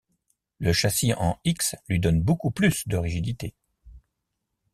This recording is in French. La châssis en X lui donne beaucoup plus de rigidité.